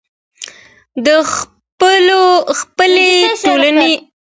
د خپلې ټولني اصلاح ته پام وکړئ.